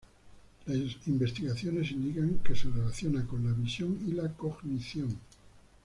Las investigaciones indican que se relaciona con la visión y la cognición.